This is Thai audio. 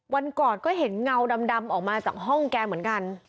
วันก่อนก็เห็นเงาดำออกมาจากห้องแกเหมือนกัน